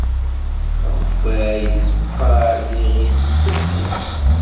Akeffay itteqqal d iɣi s tefses.